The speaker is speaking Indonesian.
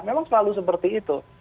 memang selalu seperti itu